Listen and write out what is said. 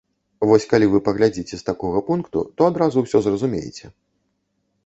Вось калі вы паглядзіце з такога пункту, то адразу ўсё зразумееце.